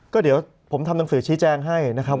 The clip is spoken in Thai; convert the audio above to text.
ก็เดี๋ยวผมทำหนังสือชี้แจงให้นะครับ